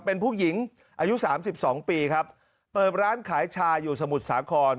เป็นผู้หญิงอายุสามสิบสองปีครับเปิดร้านขายชาอยู่สมุทรสาคร